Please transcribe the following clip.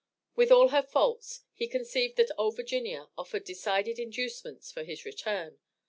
With all her faults he conceived that "Old Virginia" offered decided inducements for his return.